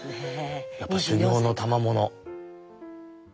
やっぱ修業のたまもの。